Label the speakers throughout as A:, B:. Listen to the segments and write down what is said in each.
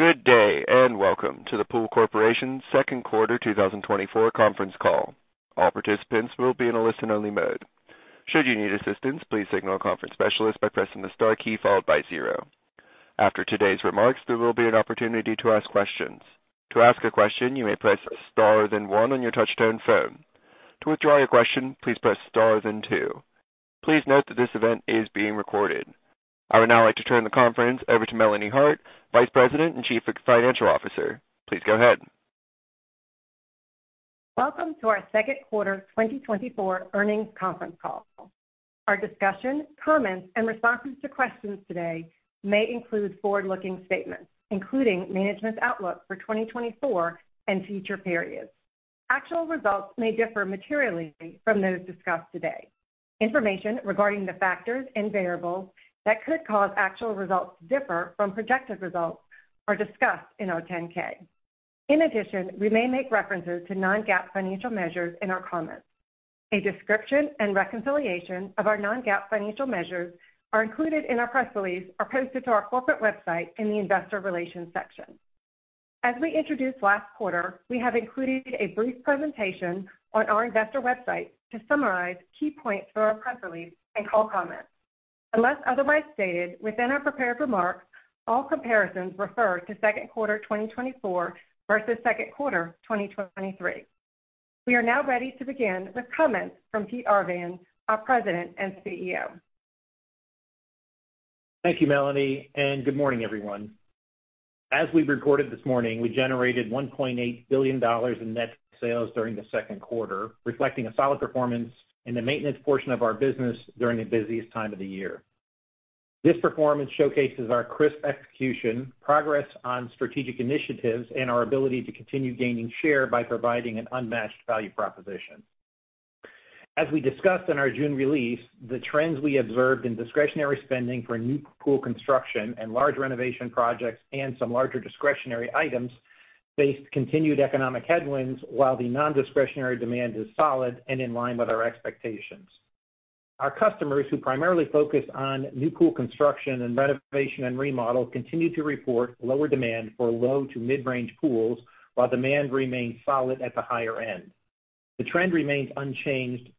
A: Good day, and welcome to the Pool Corporation second quarter 2024 conference call. All participants will be in a listen-only mode. Should you need assistance, please signal a conference specialist by pressing the star key followed by zero. After today's remarks, there will be an opportunity to ask questions. To ask a question, you may press star, then one on your touch-tone phone. To withdraw your question, please press star, then two. Please note that this event is being recorded. I would now like to turn the conference over to Melanie Hart, Vice President and Chief Financial Officer. Please go ahead.
B: Welcome to our second quarter 2024 earnings conference call. Our discussion, comments and responses to questions today may include forward-looking statements, including management's outlook for 2024 and future periods. Actual results may differ materially from those discussed today. Information regarding the factors and variables that could cause actual results to differ from projected results are discussed in our 10-K. In addition, we may make references to non-GAAP financial measures in our comments. A description and reconciliation of our non-GAAP financial measures are included in our press release, or posted to our corporate website in the Investor Relations section. As we introduced last quarter, we have included a brief presentation on our investor website to summarize key points for our press release and call comments. Unless otherwise stated within our prepared remarks, all comparisons refer to second quarter 2024 versus second quarter 2023. We are now ready to begin with comments from Pete Arvan, our President and CEO.
C: Thank you, Melanie, and good morning, everyone. As we've recorded this morning, we generated $1.8 billion in net sales during the second quarter, reflecting a solid performance in the maintenance portion of our business during the busiest time of the year. This performance showcases our crisp execution, progress on strategic initiatives, and our ability to continue gaining share by providing an unmatched value proposition. As we discussed in our June release, the trends we observed in discretionary spending for new pool construction and large renovation projects and some larger discretionary items, faced continued economic headwinds, while the non-discretionary demand is solid and in line with our expectations. Our customers, who primarily focus on new pool construction and renovation and remodel, continue to report lower demand for low to mid-range pools, while demand remains solid at the higher end. The trend remains unchanged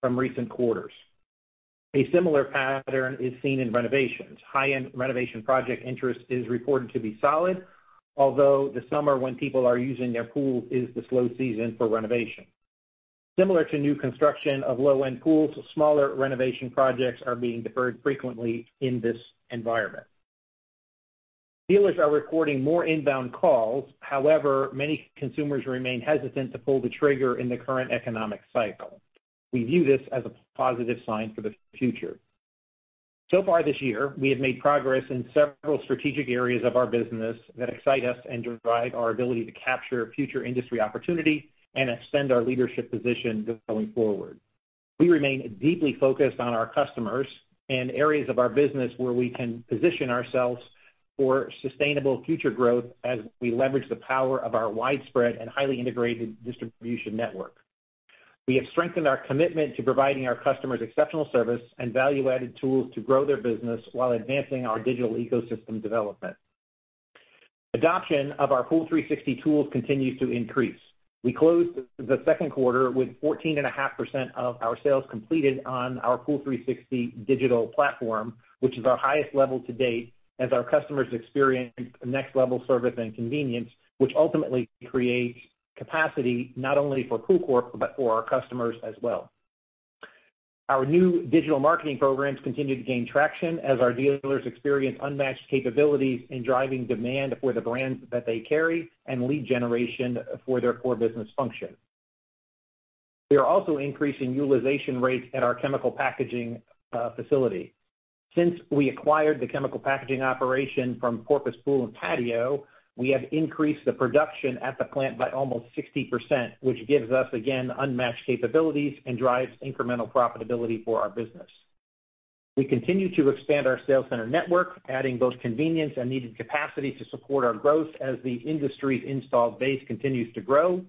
C: from recent quarters. A similar pattern is seen in renovations. High-end renovation project interest is reported to be solid, although the summer when people are using their pool is the slow season for renovation. Similar to new construction of low-end pools, smaller renovation projects are being deferred frequently in this environment. Dealers are recording more inbound calls. However, many consumers remain hesitant to pull the trigger in the current economic cycle. We view this as a positive sign for the future. So far this year, we have made progress in several strategic areas of our business that excite us and drive our ability to capture future industry opportunity and extend our leadership position going forward. We remain deeply focused on our customers and areas of our business where we can position ourselves for sustainable future growth as we leverage the power of our widespread and highly integrated distribution network. We have strengthened our commitment to providing our customers exceptional service and value-added tools to grow their business while advancing our digital ecosystem development. Adoption of our POOL360 tools continues to increase. We closed the second quarter with 14.5% of our sales completed on our POOL360 digital platform, which is our highest level to date, as our customers experience next level service and convenience, which ultimately creates capacity not only for POOLCORP, but for our customers as well. Our new digital marketing programs continue to gain traction as our dealers experience unmatched capabilities in driving demand for the brands that they carry and lead generation for their core business function. We are also increasing utilization rates at our chemical packaging facility. Since we acquired the chemical packaging operation from Porpoise Pool & Patio, we have increased the production at the plant by almost 60%, which gives us, again, unmatched capabilities and drives incremental profitability for our business. We continue to expand our sales center network, adding both convenience and needed capacity to support our growth as the industry's installed base continues to grow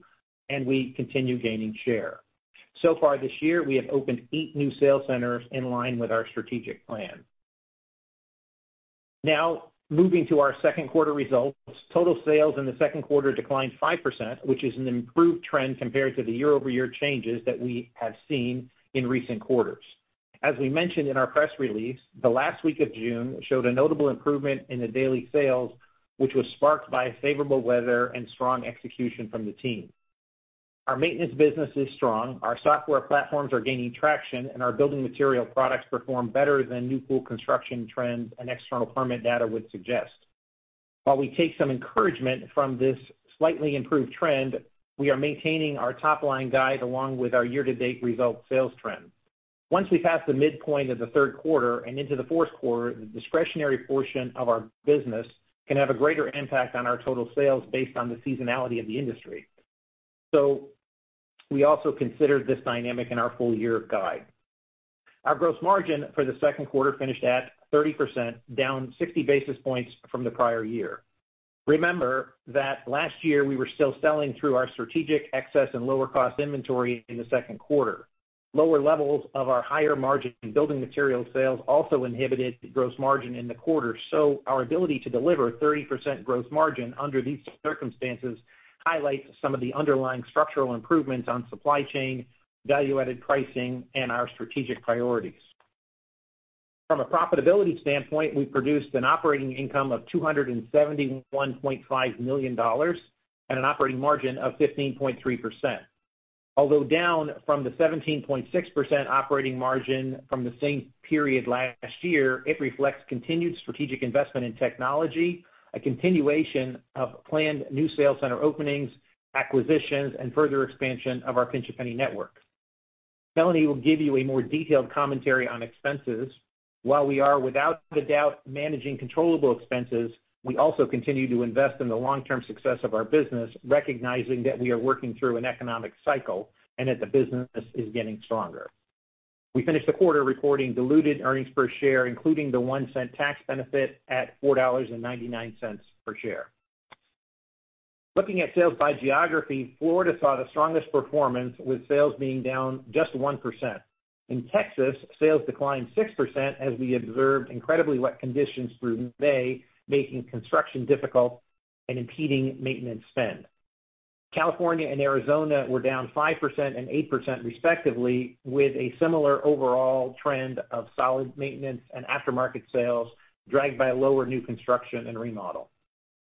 C: and we continue gaining share. So far this year, we have opened new sales centers in line with our strategic plan. Now, moving to our second quarter results. Total sales in the second quarter declined 5%, which is an improved trend compared to the year-over-year changes that we have seen in recent quarters. As we mentioned in our press release, the last week of June showed a notable improvement in the daily sales, which was sparked by favorable weather and strong execution from the team. Our maintenance business is strong, our software platforms are gaining traction, and our building material products perform better than new pool construction trends and external permit data would suggest. While we take some encouragement from this slightly improved trend, we are maintaining our top-line guide along with our year-to-date result sales trend. Once we pass the midpoint of the third quarter and into the fourth quarter, the discretionary portion of our business can have a greater impact on our total sales based on the seasonality of the industry. So we also considered this dynamic in our full-year guide. Our gross margin for the second quarter finished at 30%, down 60 basis points from the prior year. Remember that last year, we were still selling through our strategic excess and lower-cost inventory in the second quarter. Lower levels of our higher-margin building materials sales also inhibited the gross margin in the quarter. So our ability to deliver 30% gross margin under these circumstances highlights some of the underlying structural improvements on supply chain, value-added pricing, and our strategic priorities. From a profitability standpoint, we produced an operating income of $271.5 million and an operating margin of 15.3%. Although down from the 17.6% operating margin from the same period last year, it reflects continued strategic investment in technology, a continuation of planned new sales center openings, acquisitions, and further expansion of our Pinch A Penny network. Melanie will give you a more detailed commentary on expenses. While we are, without a doubt, managing controllable expenses, we also continue to invest in the long-term success of our business, recognizing that we are working through an economic cycle and that the business is getting stronger. We finished the quarter reporting diluted earnings per share, including the $0.01 tax benefit at $4.99 per share. Looking at sales by geography, Florida saw the strongest performance, with sales being down just 1%. In Texas, sales declined 6% as we observed incredibly wet conditions through May, making construction difficult and impeding maintenance spend. California and Arizona were down 5% and 8%, respectively, with a similar overall trend of solid maintenance and aftermarket sales, dragged by lower new construction and remodel.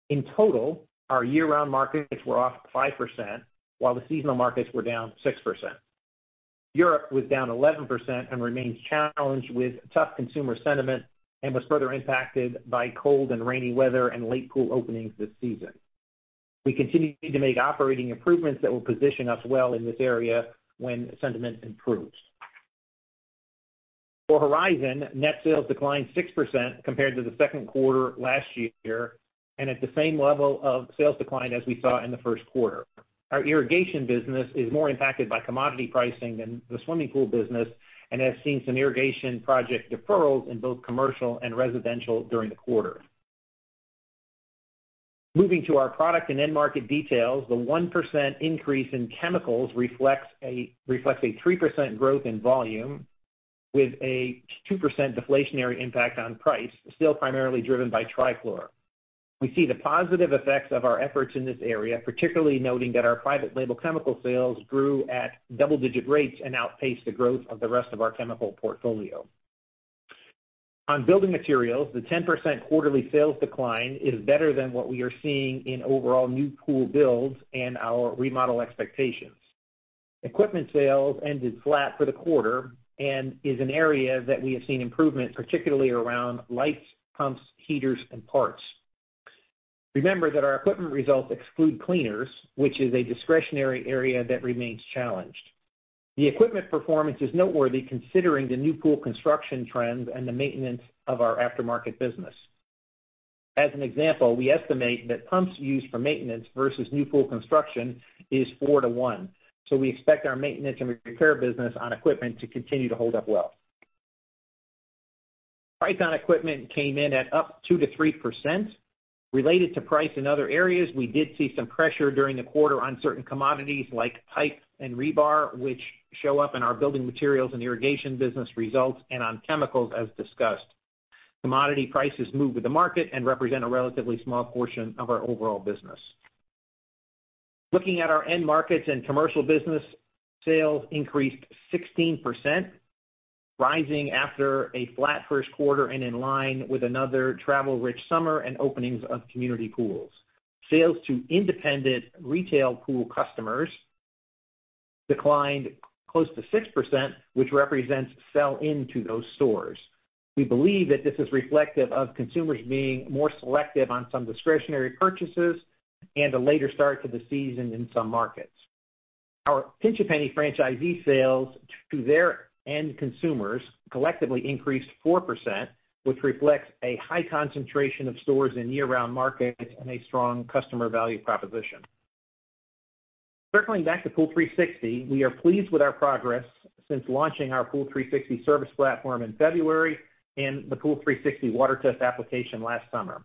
C: In total, our year-round markets were off 5%, while the seasonal markets were down 6%. Europe was down 11% and remains challenged with tough consumer sentiment and was further impacted by cold and rainy weather and late pool openings this season. We continue to make operating improvements that will position us well in this area when sentiment improves. For Horizon, net sales declined 6% compared to the second quarter last year, and at the same level of sales decline as we saw in the first quarter. Our irrigation business is more impacted by commodity pricing than the swimming pool business and has seen some irrigation project deferrals in both commercial and residential during the quarter. Moving to our product and end market details, the 1% increase in chemicals reflects a 3% growth in volume, with a 2% deflationary impact on price, still primarily driven by trichlor. We see the positive effects of our efforts in this area, particularly noting that our private label chemical sales grew at double-digit rates and outpaced the growth of the rest of our chemical portfolio. On building materials, the 10% quarterly sales decline is better than what we are seeing in overall new pool builds and our remodel expectations. Equipment sales ended flat for the quarter and is an area that we have seen improvement, particularly around lights, pumps, heaters, and parts. Remember that our equipment results exclude cleaners, which is a discretionary area that remains challenged. The equipment performance is noteworthy, considering the new pool construction trends and the maintenance of our aftermarket business. As an example, we estimate that pumps used for maintenance versus new pool construction is 4:1, so we expect our maintenance and repair business on equipment to continue to hold up well. Price on equipment came in at up 2%-3%. Related to price in other areas, we did see some pressure during the quarter on certain commodities like pipe and rebar, which show up in our building materials and irrigation business results, and on chemicals, as discussed. Commodity prices move with the market and represent a relatively small portion of our overall business. Looking at our end markets and commercial business, sales increased 16%, rising after a flat first quarter and in line with another travel-rich summer and openings of community pools. Sales to independent retail pool customers declined close to 6%, which represents sell into those stores. We believe that this is reflective of consumers being more selective on some discretionary purchases and a later start to the season in some markets. Our Pinch A Penny franchisee sales to their end consumers collectively increased 4%, which reflects a high concentration of stores in year-round markets and a strong customer value proposition. Circling back to POOL360, we are pleased with our progress since launching our POOL360 Service platform in February and the POOL360 Water Test application last summer.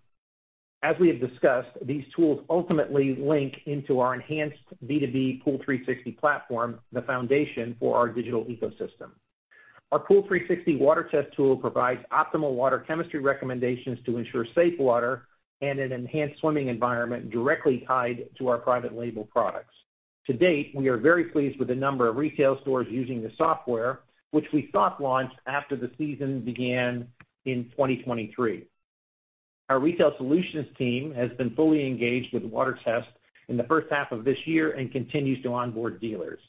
C: As we have discussed, these tools ultimately link into our enhanced B2B POOL360 platform, the foundation for our digital ecosystem. Our POOL360 Water Test tool provides optimal water chemistry recommendations to ensure safe water and an enhanced swimming environment directly tied to our private label products. To date, we are very pleased with the number of retail stores using the software, which we soft launched after the season began in 2023. Our retail solutions team has been fully engaged with water test in the first half of this year and continues to onboard dealers.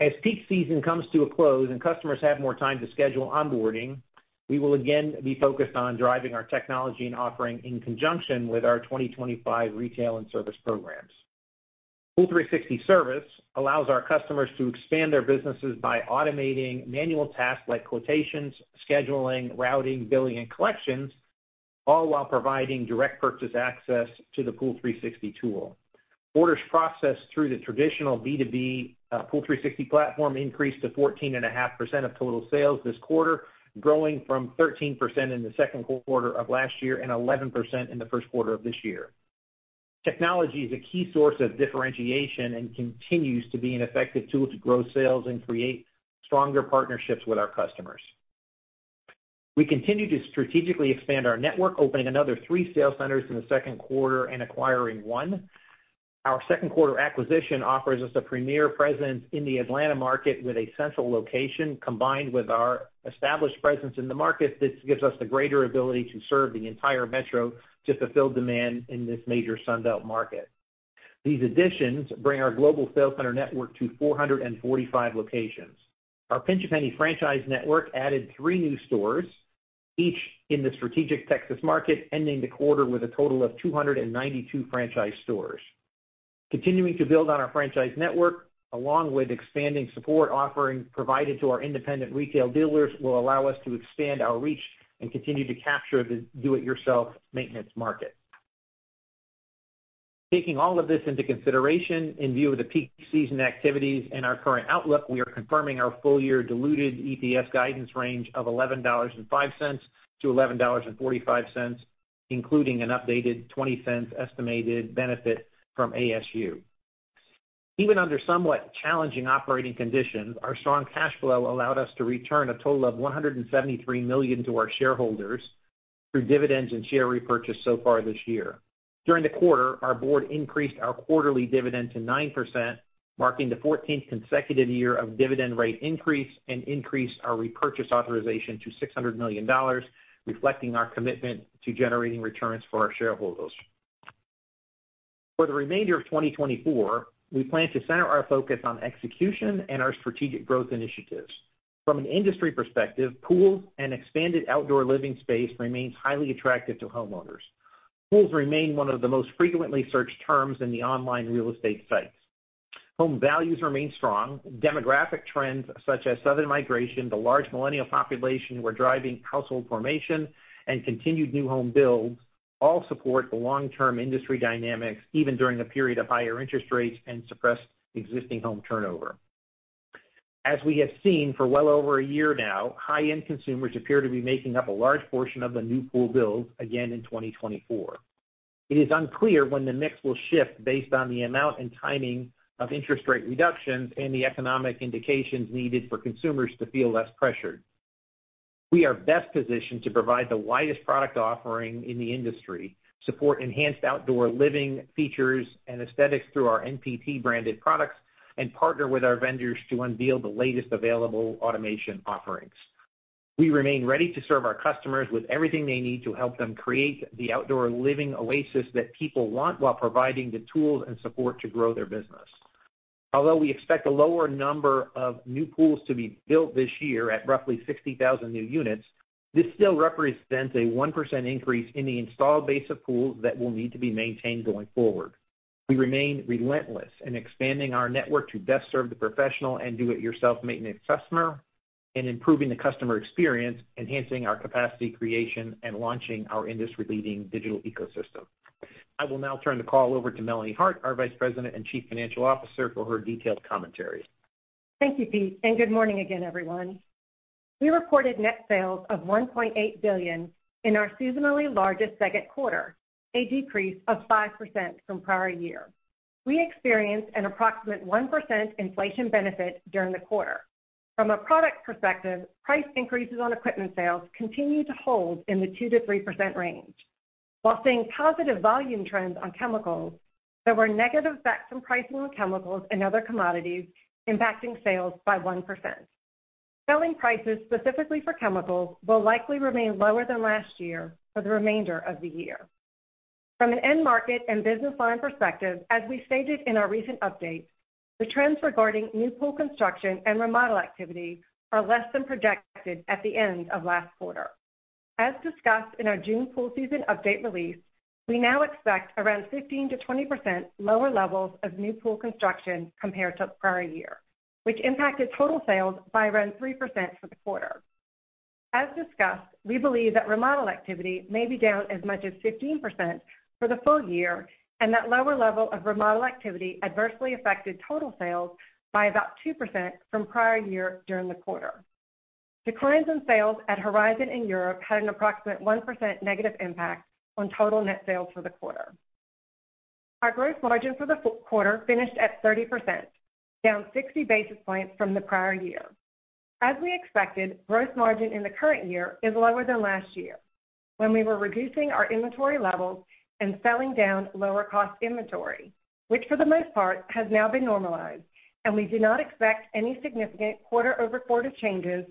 C: As peak season comes to a close and customers have more time to schedule onboarding, we will again be focused on driving our technology and offering in conjunction with our 2025 retail and service programs. POOL360 service allows our customers to expand their businesses by automating manual tasks like quotations, scheduling, routing, billing, and collections, all while providing direct purchase access to the POOL360 tool. Orders processed through the traditional B2B POOL360 platform increased to 14.5% of total sales this quarter, growing from 13% in the second quarter of last year and 11% in the first quarter of this year. Technology is a key source of differentiation and continues to be an effective tool to grow sales and create stronger partnerships with our customers. We continue to strategically expand our network, opening another three sales centers in the second quarter and acquiring one. Our second quarter acquisition offers us a premier presence in the Atlanta market with a central location. Combined with our established presence in the market, this gives us the greater ability to serve the entire metro to fulfill demand in this major Sun Belt market. These additions bring our global sales center network to 445 locations. Our Pinch A Penny franchise network added three new stores, each in the strategic Texas market, ending the quarter with a total of 292 franchise stores. Continuing to build on our franchise network, along with expanding support offerings provided to our independent retail dealers, will allow us to expand our reach and continue to capture the do-it-yourself maintenance market. Taking all of this into consideration, in view of the peak season activities and our current outlook, we are confirming our full-year diluted EPS guidance range of $11.05-$11.45, including an updated $0.20 estimated benefit from ASU. Even under somewhat challenging operating conditions, our strong cash flow allowed us to return a total of $173 million to our shareholders through dividends and share repurchase so far this year. During the quarter, our board increased our quarterly dividend to 9%, marking the fourteenth consecutive year of dividend rate increase, and increased our repurchase authorization to $600 million, reflecting our commitment to generating returns for our shareholders. For the remainder of 2024, we plan to center our focus on execution and our strategic growth initiatives. From an industry perspective, pools and expanded outdoor living space remains highly attractive to homeowners. Pools remain one of the most frequently searched terms in the online real estate sites. Home values remain strong. Demographic trends, such as Southern migration, the large millennial population, were driving household formation and continued new home builds, all support the long-term industry dynamics, even during a period of higher interest rates and suppressed existing home turnover. As we have seen for well over a year now, high-end consumers appear to be making up a large portion of the new pool builds again in 2024. It is unclear when the mix will shift based on the amount and timing of interest rate reductions and the economic indications needed for consumers to feel less pressured. We are best positioned to provide the widest product offering in the industry, support enhanced outdoor living features and aesthetics through our NPT branded products, and partner with our vendors to unveil the latest available automation offerings. We remain ready to serve our customers with everything they need to help them create the outdoor living oasis that people want, while providing the tools and support to grow their business. Although we expect a lower number of new pools to be built this year at roughly 60,000 new units, this still represents a 1% increase in the installed base of pools that will need to be maintained going forward. We remain relentless in expanding our network to best serve the professional and do-it-yourself maintenance customer, and improving the customer experience, enhancing our capacity creation, and launching our industry-leading digital ecosystem. I will now turn the call over to Melanie Hart, our Vice President and Chief Financial Officer, for her detailed commentary.
B: Thank you, Pete, and good morning again, everyone. We reported net sales of $1.8 billion in our seasonally largest second quarter, a decrease of 5% from prior year. We experienced an approximate 1% inflation benefit during the quarter. From a product perspective, price increases on equipment sales continued to hold in the 2%-3% range. While seeing positive volume trends on chemicals, there were negative effects from pricing on chemicals and other commodities, impacting sales by 1%. Selling prices, specifically for chemicals, will likely remain lower than last year for the remainder of the year. From an end market and business line perspective, as we stated in our recent update, the trends regarding new pool construction and remodel activity are less than projected at the end of last quarter. As discussed in our June pool season update release, we now expect around 15%-20% lower levels of new pool construction compared to prior year, which impacted total sales by around 3% for the quarter. As discussed, we believe that remodel activity may be down as much as 15% for the full year, and that lower level of remodel activity adversely affected total sales by about 2% from prior year during the quarter. Declines in sales at Horizon in Europe had an approximate 1% negative impact on total net sales for the quarter. Our gross margin for the first quarter finished at 30%, down 60 basis points from the prior year. As we expected, gross margin in the current year is lower than last year, when we were reducing our inventory levels and selling down lower cost inventory, which for the most part, has now been normalized, and we do not expect any significant quarter-over-quarter changes from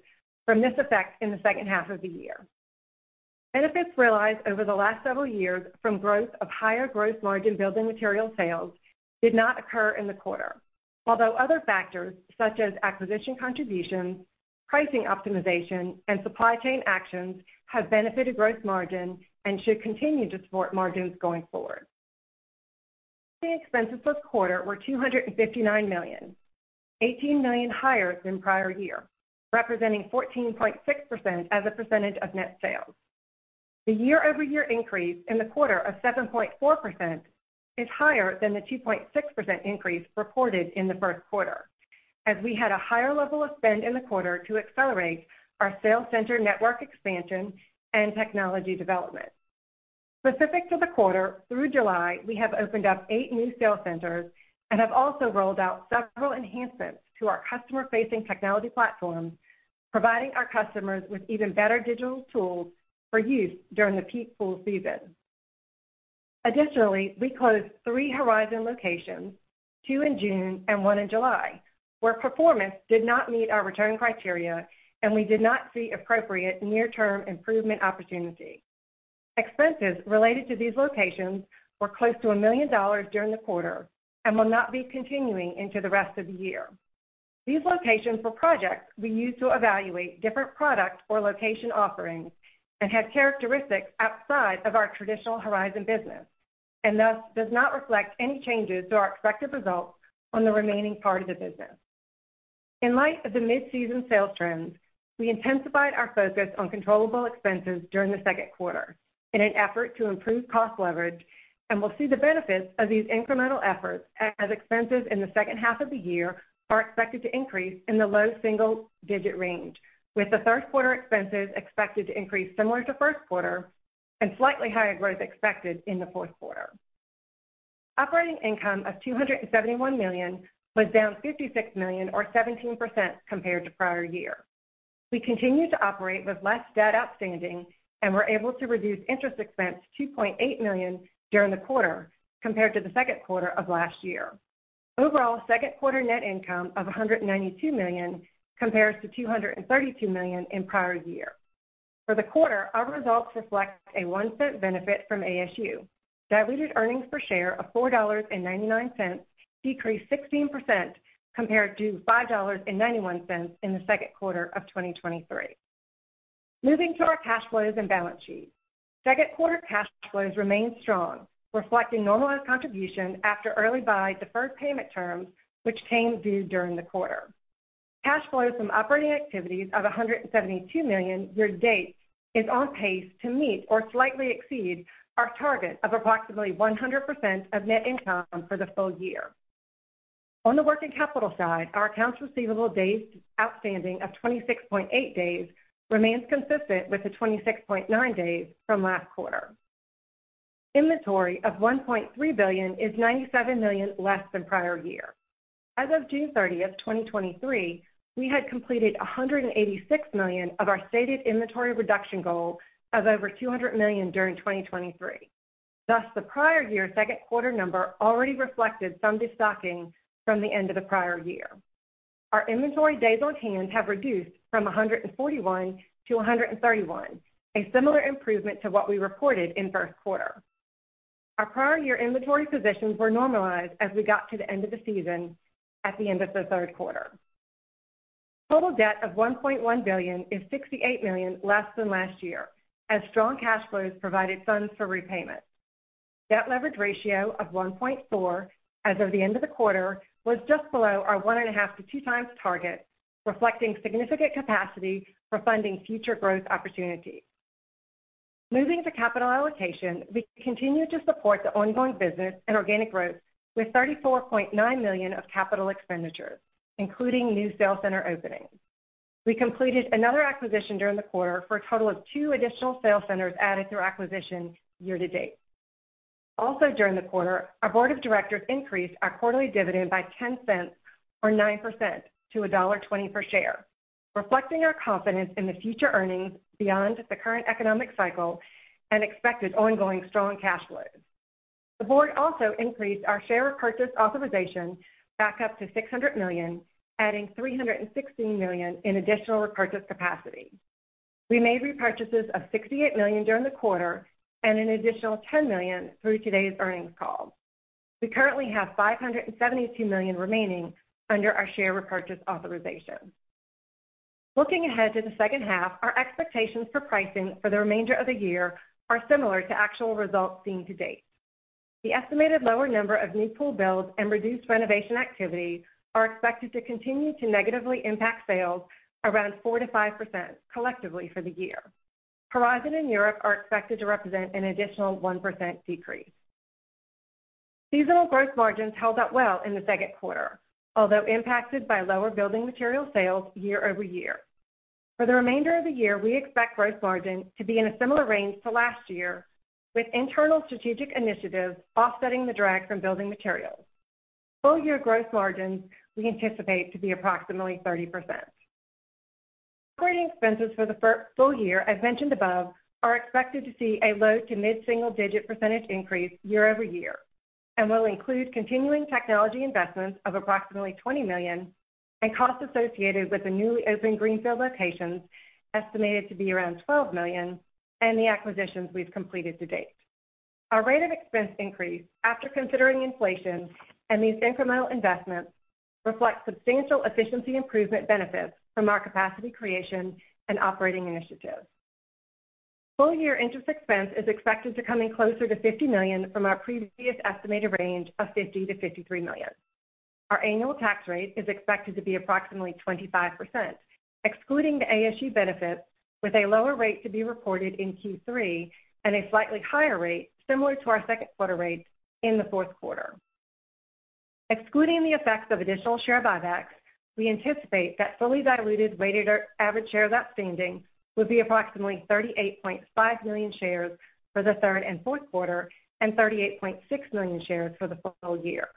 B: this effect in the second half of the year. Benefits realized over the last several years from growth of higher gross margin building material sales did not occur in the quarter, although other factors, such as acquisition contributions, pricing optimization, and supply chain actions have benefited gross margin and should continue to support margins going forward. Operating expenses this quarter were $259 million, $18 million higher than prior year, representing 14.6% as a percentage of net sales.... The year-over-year increase in the quarter of 7.4% is higher than the 2.6% increase reported in the first quarter, as we had a higher level of spend in the quarter to accelerate our sales center network expansion and technology development. Specific to the quarter, through July, we have opened up eight new sales centers and have also rolled out several enhancements to our customer-facing technology platforms, providing our customers with even better digital tools for use during the peak pool season. Additionally, we closed three Horizon locations, two in June and one in July, where performance did not meet our return criteria, and we did not see appropriate near-term improvement opportunity. Expenses related to these locations were close to $1 million during the quarter and will not be continuing into the rest of the year. These locations were projects we used to evaluate different product or location offerings and had characteristics outside of our traditional Horizon business, and thus does not reflect any changes to our expected results on the remaining part of the business. In light of the mid-season sales trends, we intensified our focus on controllable expenses during the second quarter in an effort to improve cost leverage and will see the benefits of these incremental efforts as expenses in the second half of the year are expected to increase in the low single digit range, with the third quarter expenses expected to increase similar to first quarter and slightly higher growth expected in the fourth quarter. Operating income of $271 million was down $56 million, or 17%, compared to prior year. We continue to operate with less debt outstanding and were able to reduce interest expense to $2.8 million during the quarter compared to the second quarter of last year. Overall, second quarter net income of $192 million compares to $232 million in prior year. For the quarter, our results reflect a $0.01 benefit from ASU. Diluted earnings per share of $4.99, decreased 16% compared to $5.91 in the second quarter of 2023. Moving to our cash flows and balance sheet. Second quarter cash flows remained strong, reflecting normalized contribution after early buy deferred payment terms, which came due during the quarter. Cash flows from operating activities of $172 million year-to-date is on pace to meet or slightly exceed our target of approximately 100% of net income for the full year. On the working capital side, our accounts receivable days outstanding of 26.8 days remains consistent with the 26.9 days from last quarter. Inventory of $1.3 billion is $97 million less than prior year. As of June 30th, 2023, we had completed $186 million of our stated inventory reduction goal of over $200 million during 2023. Thus, the prior year second quarter number already reflected some destocking from the end of the prior year. Our inventory days on hand have reduced from 141-131, a similar improvement to what we reported in first quarter. Our prior year inventory positions were normalized as we got to the end of the season at the end of the third quarter. Total debt of $1.1 billion is $68 million less than last year, as strong cash flows provided funds for repayment. Debt leverage ratio of 1.4 as of the end of the quarter, was just below our 1.5x-2x target, reflecting significant capacity for funding future growth opportunities. Moving to capital allocation, we continue to support the ongoing business and organic growth with $34.9 million of capital expenditures, including new sales center openings. We completed another acquisition during the quarter for a total of two additional sales centers added through acquisition year-to-date. Also, during the quarter, our board of directors increased our quarterly dividend by $0.10, or 9%, to $1.20 per share, reflecting our confidence in the future earnings beyond the current economic cycle and expected ongoing strong cash flows. The board also increased our share repurchase authorization back up to $600 million, adding $316 million in additional repurchase capacity. We made repurchases of $68 million during the quarter and an additional $10 million through today's earnings call. We currently have $572 million remaining under our share repurchase authorization. Looking ahead to the second half, our expectations for pricing for the remainder of the year are similar to actual results seen to date. The estimated lower number of new pool builds and reduced renovation activity are expected to continue to negatively impact sales around 4%-5% collectively for the year. Horizon and Europe are expected to represent an additional 1% decrease. Seasonal gross margins held up well in the second quarter, although impacted by lower building material sales year-over-year. For the remainder of the year, we expect gross margin to be in a similar range to last year, with internal strategic initiatives offsetting the drag from building materials. Full year gross margins, we anticipate to be approximately 30%. Operating expenses for the full year, as mentioned above, are expected to see a low- to mid-single-digit percentage increase year-over-year and will include continuing technology investments of approximately $20 million and costs associated with the newly opened greenfield locations, estimated to be around $12 million, and the acquisitions we've completed to date. Our rate of expense increase, after considering inflation and these incremental investments, reflects substantial efficiency improvement benefits from our capacity creation and operating initiatives. Full year interest expense is expected to come in closer to $50 million from our previous estimated range of $50 million-$53 million. Our annual tax rate is expected to be approximately 25%, excluding the ASU benefit, with a lower rate to be reported in Q3 and a slightly higher rate, similar to our second quarter rate, in the fourth quarter. Excluding the effects of additional share buybacks, we anticipate that fully diluted weighted average shares outstanding will be approximately 38.5 million shares for the third and fourth quarter, and 38.6 million shares for the full year,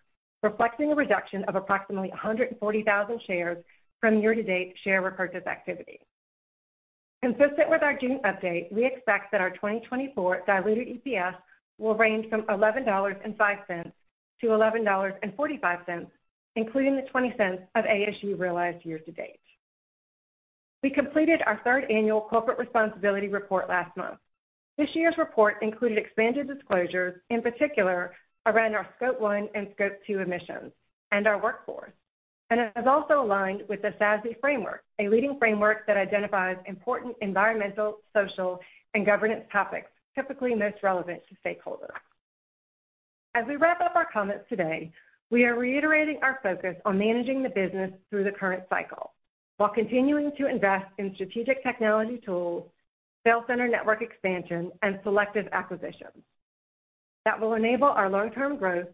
B: reflecting a reduction of approximately 140,000 shares from year-to-date share repurchase activity. Consistent with our June update, we expect that our 2024 diluted EPS will range from $11.05-$11.45, including the $0.20 of ASU realized year-to-date. We completed our third annual corporate responsibility report last month. This year's report included expanded disclosures, in particular around our Scope 1 and Scope 2 emissions and our workforce, and it is also aligned with the SASB framework, a leading framework that identifies important environmental, social, and governance topics typically most relevant to stakeholders. As we wrap up our comments today, we are reiterating our focus on managing the business through the current cycle, while continuing to invest in strategic technology tools, sales center network expansion, and selective acquisitions. That will enable our long-term growth,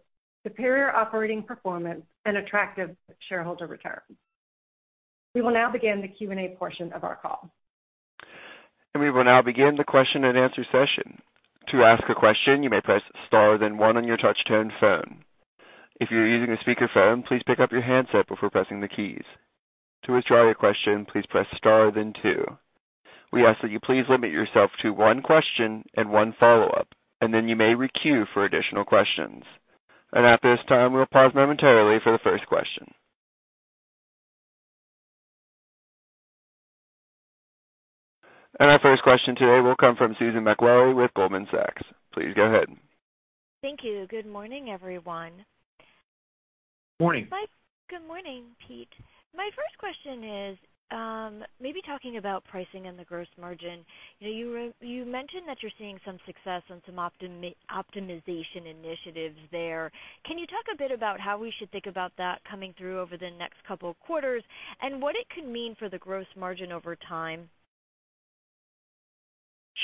B: superior operating performance, and attractive shareholder return. We will now begin the Q&A portion of our call.
A: We will now begin the question-and-answer session. To ask a question, you may press star, then one on your touch tone phone. If you're using a speakerphone, please pick up your handset before pressing the keys. To withdraw your question, please press star, then two. We ask that you please limit yourself to one question and one follow-up, and then you may re-queue for additional questions. And at this time, we'll pause momentarily for the first question. Our first question today will come from Susan Maklari with Goldman Sachs. Please go ahead.
D: Thank you. Good morning, everyone.
C: Morning.
D: Good morning, Pete. My first question is, maybe talking about pricing and the gross margin. You mentioned that you're seeing some success on some optimization initiatives there. Can you talk a bit about how we should think about that coming through over the next couple of quarters, and what it could mean for the gross margin over time?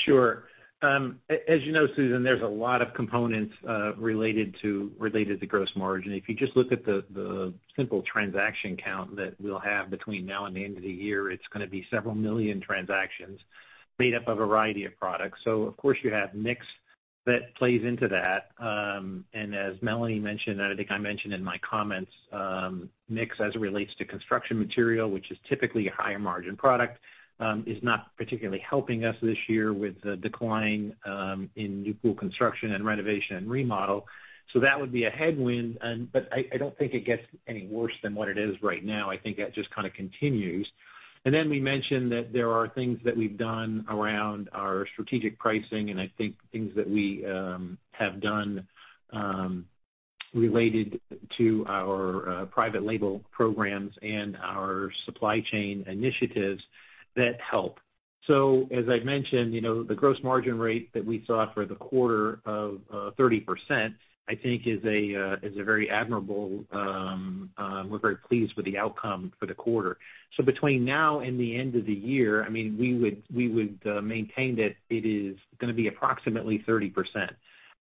C: Sure. As you know, Susan, there's a lot of components related to, related to gross margin. If you just look at the simple transaction count that we'll have between now and the end of the year, it's gonna be several million transactions made up of a variety of products. So of course, you have mix that plays into that. And as Melanie mentioned, and I think I mentioned in my comments, mix as it relates to construction material, which is typically a higher margin product, is not particularly helping us this year with the decline in new pool construction and renovation and remodel. So that would be a headwind, and but I, I don't think it gets any worse than what it is right now. I think that just kind of continues. And then we mentioned that there are things that we've done around our strategic pricing, and I think things that we have done related to our private label programs and our supply chain initiatives that help. So as I mentioned, you know, the gross margin rate that we saw for the quarter of 30%, I think is a very admirable. We're very pleased with the outcome for the quarter. So between now and the end of the year, I mean, we would maintain that it is gonna be approximately 30%.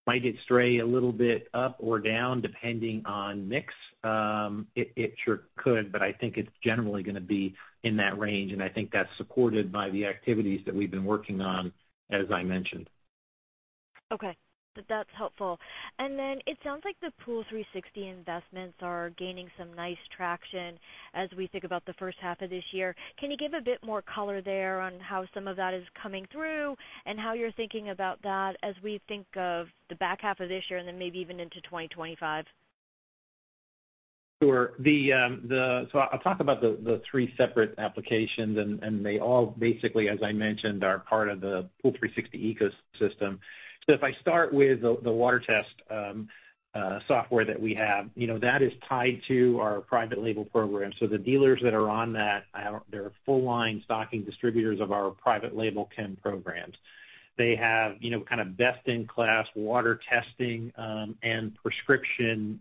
C: Might it stray a little bit up or down, depending on mix? It sure could, but I think it's generally gonna be in that range, and I think that's supported by the activities that we've been working on, as I mentioned.
D: Okay. That's helpful. And then it sounds like the POOL360 investments are gaining some nice traction as we think about the first half of this year. Can you give a bit more color there on how some of that is coming through, and how you're thinking about that as we think of the back half of this year and then maybe even into 2025?
C: Sure. So I'll talk about the three separate applications, and they all basically, as I mentioned, are part of the POOL360 ecosystem. So if I start with the water test software that we have, you know, that is tied to our private label program. So the dealers that are on that, they're full line stocking distributors of our private label chem programs. They have, you know, kind of best-in-class water testing and prescription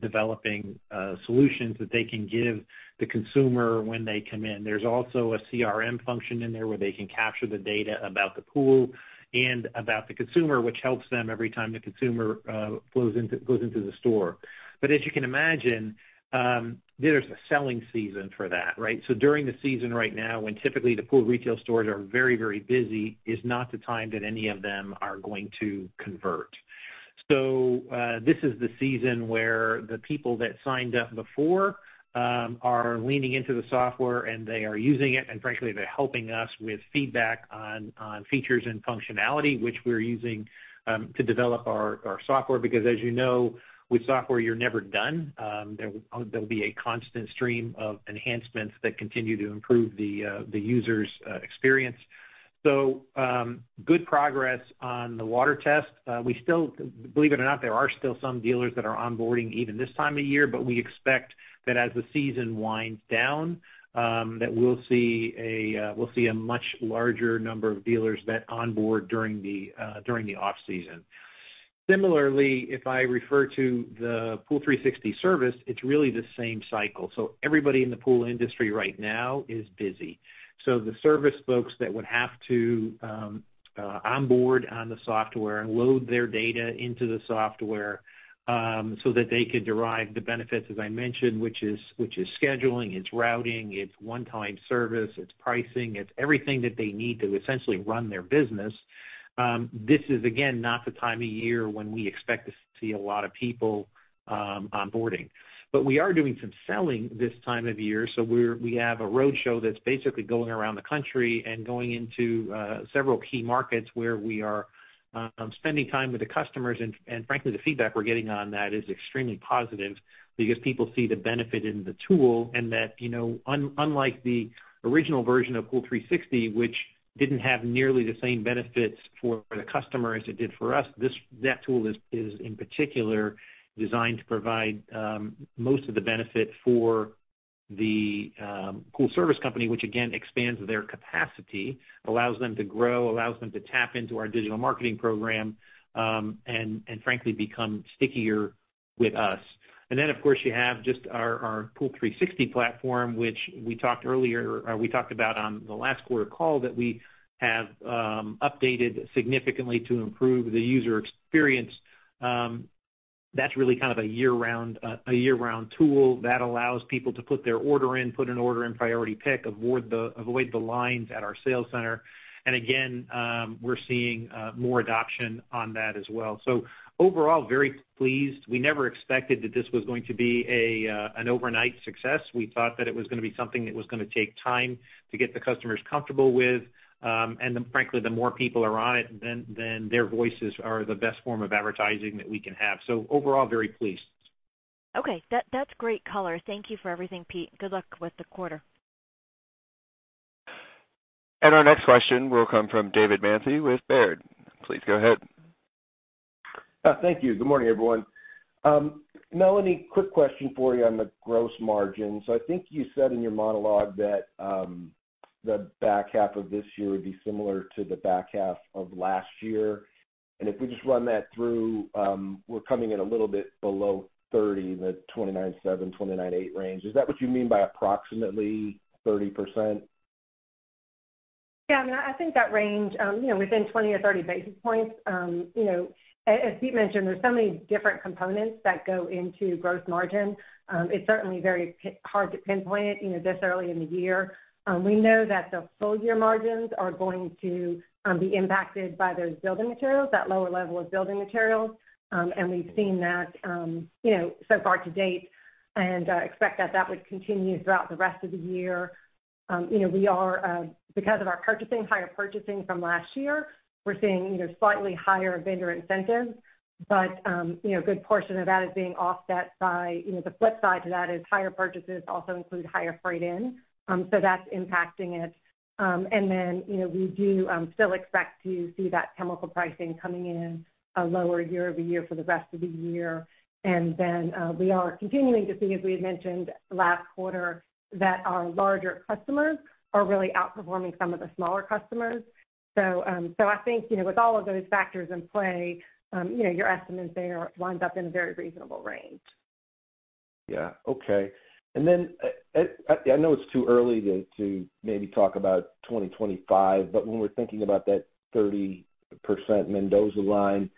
C: developing solutions that they can give the consumer when they come in. There's also a CRM function in there, where they can capture the data about the pool and about the consumer, which helps them every time the consumer flows into, goes into the store. But as you can imagine, there's a selling season for that, right? So during the season right now, when typically the pool retail stores are very, very busy, is not the time that any of them are going to convert. So this is the season where the people that signed up before are leaning into the software, and they are using it, and frankly, they're helping us with feedback on features and functionality, which we're using to develop our software, because as you know, with software, you're never done. There'll be a constant stream of enhancements that continue to improve the user's experience. So good progress on the water test. We still believe it or not, there are still some dealers that are onboarding even this time of year, but we expect that as the season winds down, that we'll see a much larger number of dealers that onboard during the off-season. Similarly, if I refer to the POOL360 service, it's really the same cycle. So everybody in the pool industry right now is busy. So the service folks that would have to onboard on the software and load their data into the software, so that they could derive the benefits, as I mentioned, which is scheduling, it's routing, it's one-time service, it's pricing, it's everything that they need to essentially run their business. This is again not the time of year when we expect to see a lot of people onboarding. But we are doing some selling this time of year. So we have a roadshow that's basically going around the country and going into several key markets where we are spending time with the customers. And frankly, the feedback we're getting on that is extremely positive because people see the benefit in the tool, and that, you know, unlike the original version of POOL360, which didn't have nearly the same benefits for the customer as it did for us, that tool is in particular designed to provide most of the benefit for the pool service company, which again, expands their capacity, allows them to grow, allows them to tap into our digital marketing program, and frankly, become stickier with us. And then, of course, you have just our POOL360 platform, which we talked earlier, or we talked about on the last quarter call, that we have updated significantly to improve the user experience. That's really kind of a year-round tool that allows people to put their order in, put an order in priority pick, avoid the lines at our sales center. And again, we're seeing more adoption on that as well. So overall, very pleased. We never expected that this was going to be an overnight success. We thought that it was gonna be something that was gonna take time to get the customers comfortable with. And then frankly, the more people are on it, then their voices are the best form of advertising that we can have. So overall, very pleased.
D: Okay. That, that's great color. Thank you for everything, Pete. Good luck with the quarter.
A: Our next question will come from David Manthey with Baird. Please go ahead.
E: Thank you. Good morning, everyone. Melanie, quick question for you on the gross margins. I think you said in your monologue that, the back half of this year would be similar to the back half of last year. And if we just run that through, we're coming in a little bit below 30, the 29.7, 29.8 range. Is that what you mean by approximately 30%?
B: Yeah, I mean, I think that range, you know, within 20 or 30 basis points, you know, as Pete mentioned, there's so many different components that go into gross margin. It's certainly very hard to pinpoint, you know, this early in the year. We know that the full year margins are going to be impacted by those building materials, that lower level of building materials. And we've seen that, you know, so far to date, and expect that that would continue throughout the rest of the year. You know, we are, because of our purchasing, higher purchasing from last year, we're seeing, you know, slightly higher vendor incentives. But, you know, a good portion of that is being offset by, you know, the flip side to that is higher purchases also include higher freight in. So that's impacting it. And then, you know, we do still expect to see that chemical pricing coming in a lower year-over-year for the rest of the year. And then, we are continuing to see, as we had mentioned last quarter, that our larger customers are really outperforming some of the smaller customers. So, I think, you know, with all of those factors in play, you know, your estimates there winds up in a very reasonable range.
E: Yeah. Okay. And then, I know it's too early to maybe talk about 2025, but when we're thinking about that 30% Mendoza line,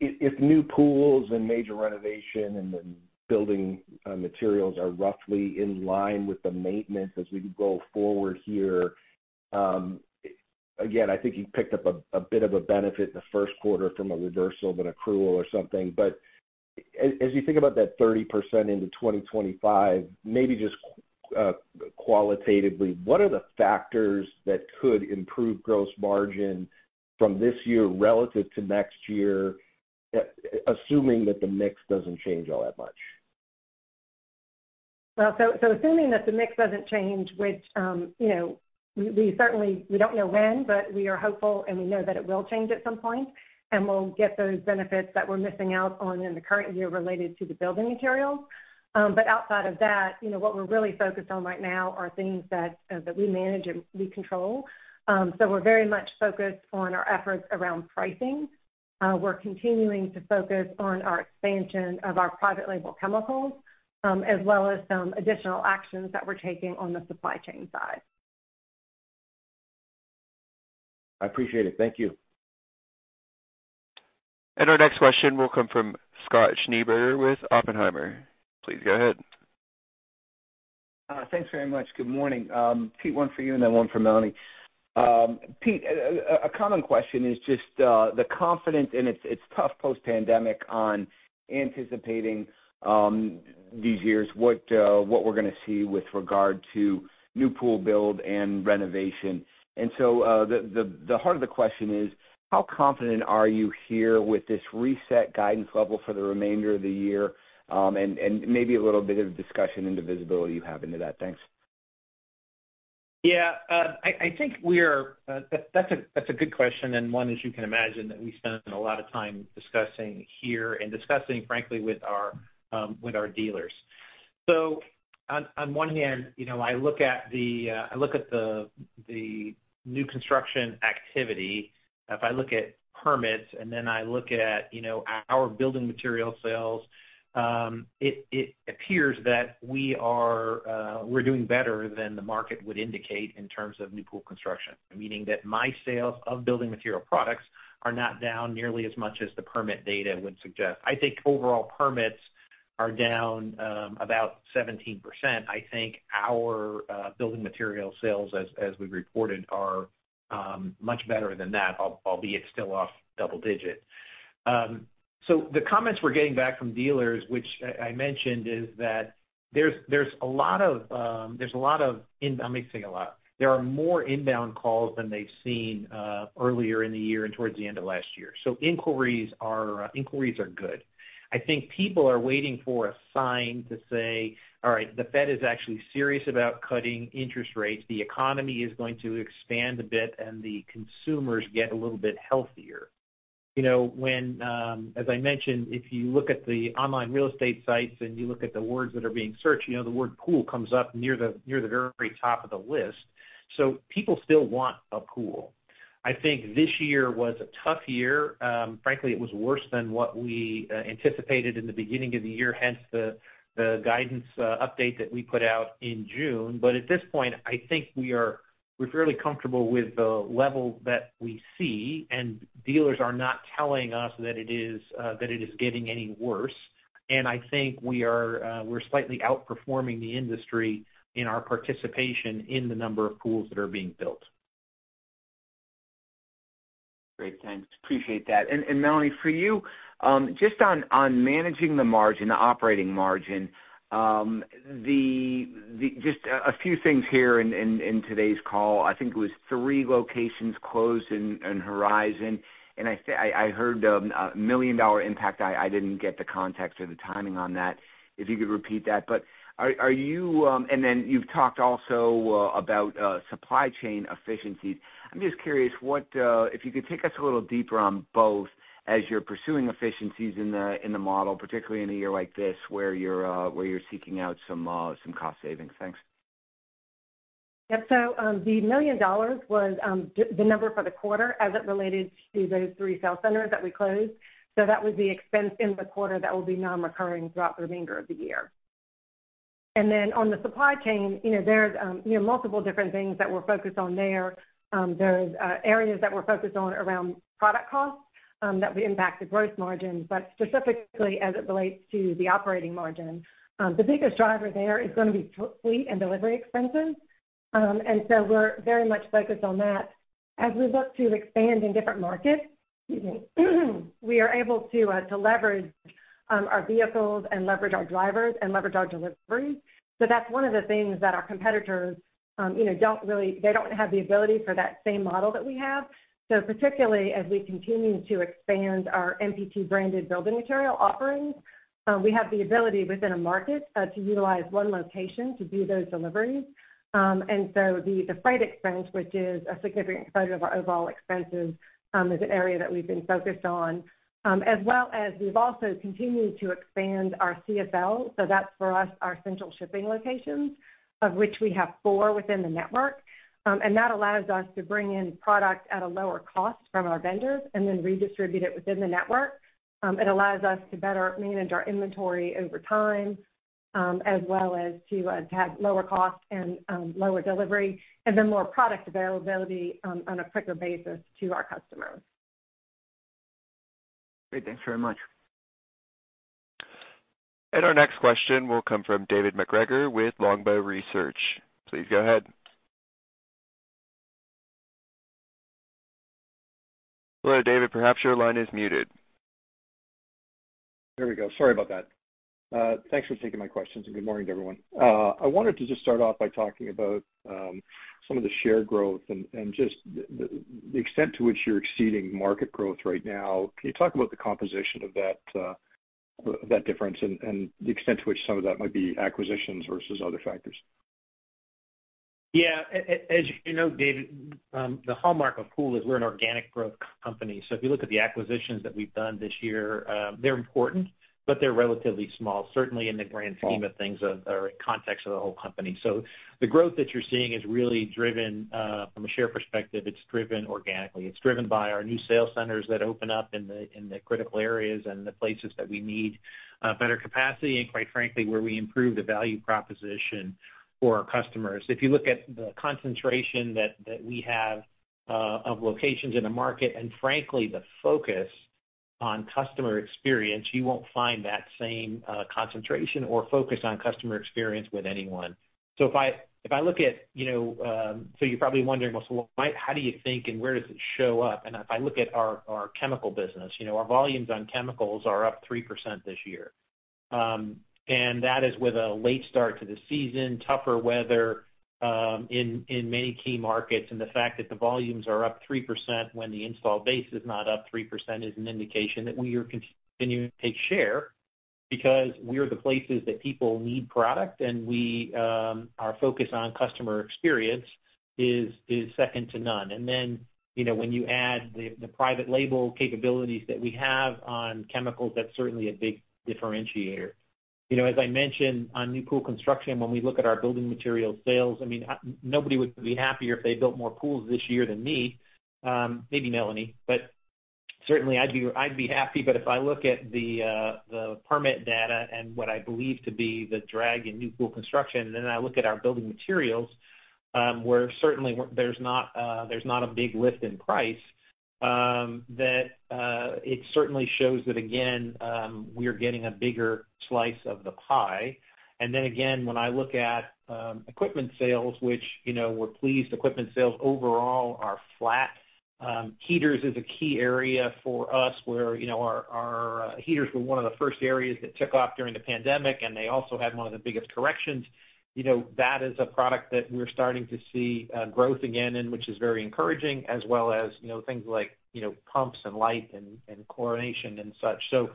E: if new pools and major renovation and the building materials are roughly in line with the maintenance as we go forward here, again, I think you picked up a bit of a benefit in the first quarter from a reversal of an accrual or something. But as you think about that 30% into 2025, maybe just, qualitatively, what are the factors that could improve gross margin from this year relative to next year, assuming that the mix doesn't change all that much?
B: Well, so assuming that the mix doesn't change, which, you know, we certainly don't know when, but we are hopeful, and we know that it will change at some point, and we'll get those benefits that we're missing out on in the current year related to the building materials. But outside of that, you know, what we're really focused on right now are things that we manage and we control. So we're very much focused on our efforts around pricing. We're continuing to focus on our expansion of our private label chemicals, as well as some additional actions that we're taking on the supply chain side.
E: I appreciate it. Thank you.
A: Our next question will come from Scott Schneeberger with Oppenheimer. Please go ahead.
F: Thanks very much. Good morning. Pete, one for you and then one for Melanie. Pete, a common question is just the confidence, and it's tough post-pandemic on anticipating these years, what we're gonna see with regard to new pool build and renovation. And so, the heart of the question is: How confident are you here with this reset guidance level for the remainder of the year? And maybe a little bit of discussion into visibility you have into that. Thanks.
C: Yeah, I think that's a good question, and one, as you can imagine, that we spent a lot of time discussing here and discussing, frankly, with our dealers... So, on one hand, you know, I look at the new construction activity. If I look at permits, and then I look at, you know, our building material sales, it appears that we are, we're doing better than the market would indicate in terms of new pool construction, meaning that my sales of building material products are not down nearly as much as the permit data would suggest. I think overall permits are down about 17%. I think our building material sales as we reported are much better than that, albeit still off double digit. So the comments we're getting back from dealers, which I mentioned, is that there's a lot of in-- I'm missing a lot. There are more inbound calls than they've seen earlier in the year and towards the end of last year. So inquiries are, inquiries are good. I think people are waiting for a sign to say, all right, the Fed is actually serious about cutting interest rates, the economy is going to expand a bit, and the consumers get a little bit healthier. You know, when as I mentioned, if you look at the online real estate sites and you look at the words that are being searched, you know, the word pool comes up near the very top of the list. So people still want a pool. I think this year was a tough year. Frankly, it was worse than what we anticipated in the beginning of the year, hence the guidance update that we put out in June. But at this point, I think we're fairly comfortable with the level that we see, and dealers are not telling us that it is getting any worse. And I think we're slightly outperforming the industry in our participation in the number of pools that are being built.
F: Great, thanks. Appreciate that. And Melanie, for you, just on managing the margin, the operating margin, just a few things here in today's call. I think it was three locations closed in Horizon, and I heard a $1 million impact. I didn't get the context or the timing on that, if you could repeat that. But are you... And then you've talked also about supply chain efficiencies. I'm just curious, what if you could take us a little deeper on both as you're pursuing efficiencies in the model, particularly in a year like this, where you're seeking out some cost savings. Thanks.
B: Yeah. So, the $1 million was the number for the quarter as it related to those three sales centers that we closed. So that was the expense in the quarter that will be non-recurring throughout the remainder of the year. And then on the supply chain, you know, there's, you know, multiple different things that we're focused on there. There's areas that we're focused on around product costs that we impact the gross margin, but specifically as it relates to the operating margin, the biggest driver there is gonna be fleet and delivery expenses. And so we're very much focused on that. As we look to expand in different markets, we are able to to leverage our vehicles and leverage our drivers and leverage our deliveries. So that's one of the things that our competitors, you know, don't really—they don't have the ability for that same model that we have. So particularly as we continue to expand our NPT branded building material offerings, we have the ability within a market to utilize one location to do those deliveries. And so the freight expense, which is a significant part of our overall expenses, is an area that we've been focused on. As well as we've also continued to expand our CSL, so that's for us, our central shipping locations, of which we have four within the network. And that allows us to bring in product at a lower cost from our vendors and then redistribute it within the network. It allows us to better manage our inventory over time, as well as to have lower cost and lower delivery, and then more product availability on a quicker basis to our customers.
F: Thanks very much.
A: Our next question will come from David MacGregor with Longbow Research. Please go ahead. Hello, David, perhaps your line is muted.
G: There we go. Sorry about that. Thanks for taking my questions, and good morning to everyone. I wanted to just start off by talking about some of the share growth and just the extent to which you're exceeding market growth right now. Can you talk about the composition of that, that difference and the extent to which some of that might be acquisitions versus other factors?
C: Yeah. As, as you know, David, the hallmark of Pool is we're an organic growth company. So if you look at the acquisitions that we've done this year, they're important, but they're relatively small, certainly in the grand scheme of things or context of the whole company. So the growth that you're seeing is really driven, from a share perspective, it's driven organically. It's driven by our new sales centers that open up in the, in the critical areas and the places that we need, better capacity, and quite frankly, where we improve the value proposition for our customers. If you look at the concentration that we have, of locations in the market, and frankly, the focus on customer experience, you won't find that same, concentration or focus on customer experience with anyone. So if I look at, you know, so you're probably wondering, well, so why, how do you think and where does it show up? And if I look at our chemical business, you know, our volumes on chemicals are up 3% this year. And that is with a late start to the season, tougher weather in many key markets, and the fact that the volumes are up 3% when the install base is not up 3% is an indication that we are continuing to take share, because we are the places that people need product, and we are focused on customer experience that is second to none. And then, you know, when you add the private label capabilities that we have on chemicals, that's certainly a big differentiator. You know, as I mentioned, on new pool construction, when we look at our building materials sales, I mean, nobody would be happier if they built more pools this year than me, maybe Melanie, but certainly I'd be, I'd be happy. But if I look at the permit data and what I believe to be the drag in new pool construction, and then I look at our building materials, where certainly there's not a big lift in price, that it certainly shows that again, we're getting a bigger slice of the pie. And then again, when I look at equipment sales, which, you know, we're pleased, equipment sales overall are flat. Heaters is a key area for us where, you know, our, our heaters were one of the first areas that took off during the pandemic, and they also had one of the biggest corrections. You know, that is a product that we're starting to see growth again, and which is very encouraging, as well as, you know, things like, you know, pumps and light and, and chlorination and such. So,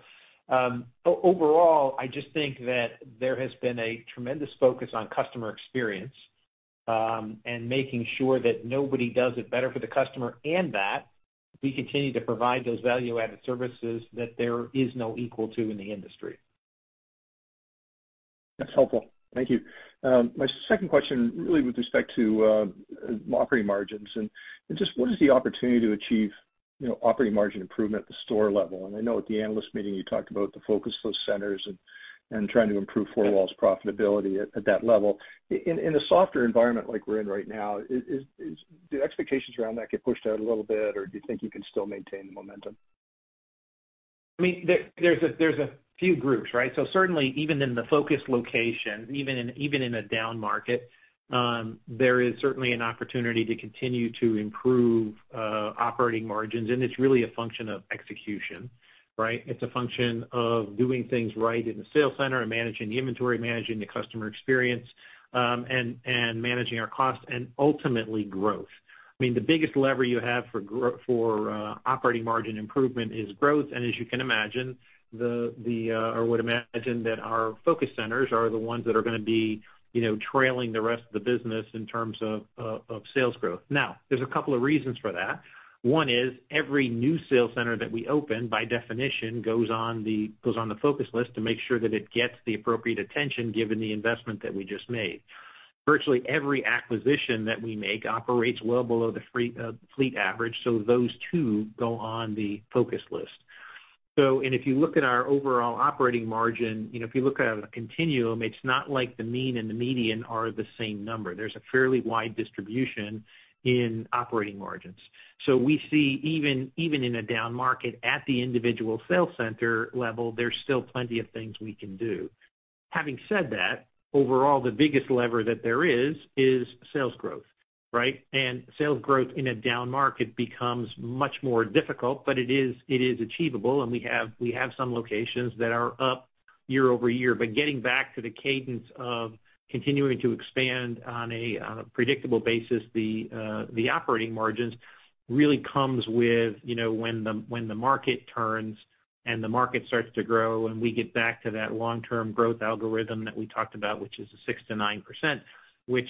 C: overall, I just think that there has been a tremendous focus on customer experience, and making sure that nobody does it better for the customer, and that we continue to provide those value-added services that there is no equal to in the industry.
G: That's helpful. Thank you. My second question, really with respect to, operating margins, and just what is the opportunity to achieve, you know, operating margin improvement at the store level? And I know at the analyst meeting, you talked about the focus those centers and trying to improve four walls profitability at that level. In a softer environment like we're in right now, do expectations around that get pushed out a little bit, or do you think you can still maintain the momentum?
C: I mean, there, there's a few groups, right? So certainly, even in the focus location, even in a down market, there is certainly an opportunity to continue to improve operating margins, and it's really a function of execution, right? It's a function of doing things right in the sales center and managing the inventory, managing the customer experience, and managing our costs and ultimately growth. I mean, the biggest lever you have for operating margin improvement is growth. And as you can imagine, or would imagine that our focus centers are the ones that are gonna be, you know, trailing the rest of the business in terms of sales growth. Now, there's a couple of reasons for that. One is every new sales center that we open, by definition, goes on the focus list to make sure that it gets the appropriate attention, given the investment that we just made. Virtually every acquisition that we make operates well below the fleet average, so those two go on the focus list. So, and if you look at our overall operating margin, you know, if you look at a continuum, it's not like the mean and the median are the same number. There's a fairly wide distribution in operating margins. So we see even in a down market at the individual sales center level, there's still plenty of things we can do. Having said that, overall, the biggest lever that there is, is sales growth, right? Sales growth in a down market becomes much more difficult, but it is, it is achievable, and we have, we have some locations that are up year-over-year. But getting back to the cadence of continuing to expand on a predictable basis, the operating margins really comes with, you know, when the market turns and the market starts to grow and we get back to that long-term growth algorithm that we talked about, which is the 6%-9%, which